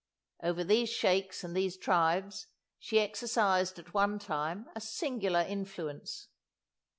Over these sheikhs and these tribes she exercised at one time a singular influence.